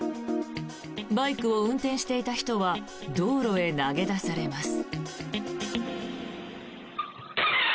バイクを運転していた人は道路へ投げ出されます。